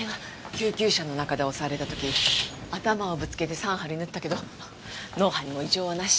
救急車の中で襲われた時頭をぶつけて３針縫ったけど脳波にも異常はなし。